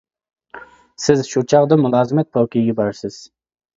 سىز شۇ چاغدا مۇلازىمەت پوكىيىگە بارىسىز.